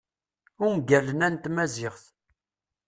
ungalen-a n tmaziɣt